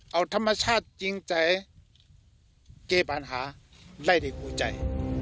เอาธรรมชาติจริงใจเกบอาณหาไล่ได้กูใจ